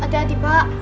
ada adik pak